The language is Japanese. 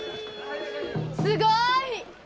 すごい！